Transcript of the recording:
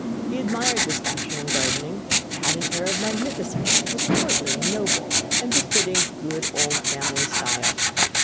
He admired this fashion in gardening; it had an air of magnificence, was courtly and noble, and befitting good old family style.